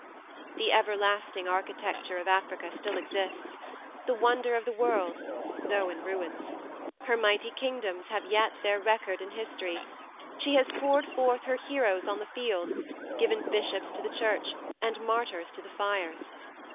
The everlasting architecture of Africa still exists the wonder of the world, though in ruins: her mighty kingdoms have yet their record in history; she has poured forth her heroes on the field, given bishops to the church, and martyrs to the fires.